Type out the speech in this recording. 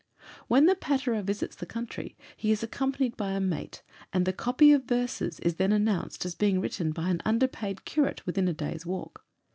When the patterer visits the country, he is accompanied by a mate, and the "copy of werses" is then announced as being written by an "underpaid curate" within a day's walk.